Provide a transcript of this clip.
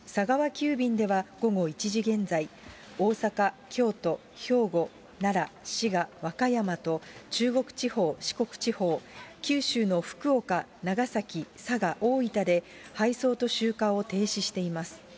急便では午後１時現在、大阪、京都、兵庫、奈良、滋賀、和歌山と中国地方、四国地方、九州の福岡、長崎、佐賀、大分で、配送と集荷を停止しています。